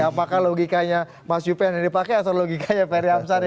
apakah logikanya mas yupen yang dipakai atau logikanya perang